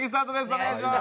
お願いします！